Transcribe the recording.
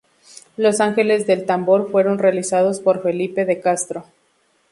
Los ángeles del tambor fueron realizados por Felipe de Castro.